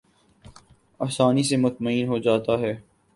آسانی سے مطمئن ہو جاتا ہوں